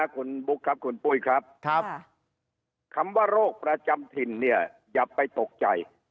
คุณบุ๊คครับคุณปุ้ยครับคำว่าโรคประจำถิ่นเนี่ยอย่าไปตกใจ